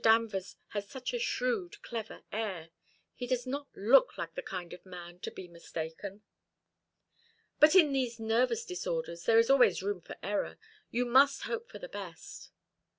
Danvers has such a shrewd clever air. He does not look the kind of man to be mistaken." "But in these nervous disorders there is always room for error. You must hope for the best."